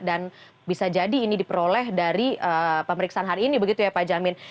dan bisa jadi ini diperoleh dari pemeriksaan hari ini begitu ya pak jamin